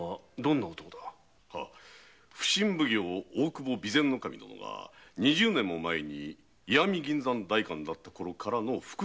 普請奉行・大久保備前守殿が二十年も前に石見銀山代官だったころからの腹心だったそうです。